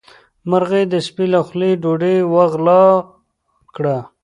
مرغۍ د سپي له خولې ډوډۍ وغلا کړه.